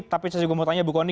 tapi saya juga mau tanya bu kony